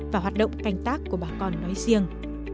và hoạt động canh tác của bà con nói riêng